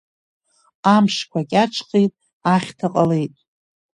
Амшқәа кьаҿхеит, ахьҭа ҟалеит.